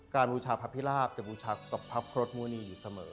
การบูชาพระภิราพจะบูชากับพระพรตมุณีอยู่เสมอ